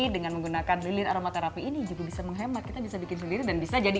dengan menggunakan lilir aromaterapi ini juga bisa menghemat kita bisa bikin sendiri dan bisa jadi